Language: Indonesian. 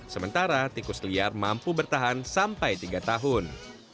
sementara tikus liar mampu bertahan sampai tiga tahun